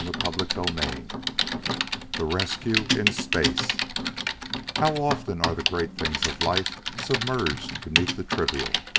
CHAPTER IV The Rescue in Space How often are the great things of life submerged beneath the trivial.